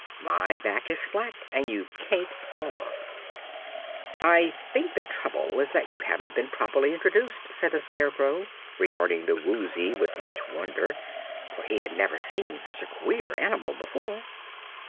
My back is flat and you can't fall off." "I think the trouble is that you haven't been properly introduced," said the Scarecrow, regarding the Woozy with much wonder, for he had never seen such a queer animal before.